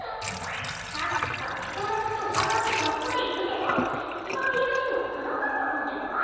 さっきからひとのことうたがってばっかりいるけどいちばんあやしいのははなかっぱくんじゃない？